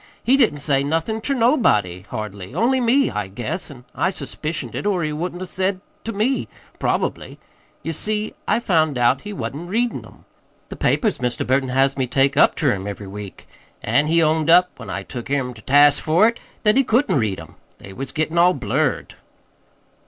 "He didn't say nothin' ter nobody, hardly, only me, I guess, an' I suspicioned it, or he wouldn't 'a' said it to me, probably. Ye see, I found out he wa'n't readin' 'em the papers Mr. Burton has me take up ter him every week. An' he owned up, when I took him ter task for it, that he couldn't read 'em. They was gettin' all blurred."